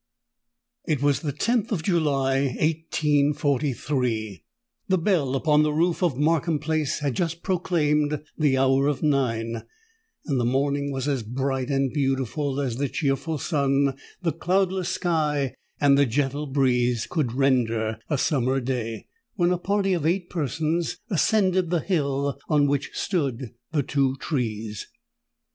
It was the 10th of July, 1843. The bell upon the roof of Markham Place had just proclaimed the hour of nine, and the morning was as bright and beautiful as the cheerful sun, the cloudless sky, and the gentle breeze could render a summer day,—when a party of eight persons ascended the hill on which stood the two trees.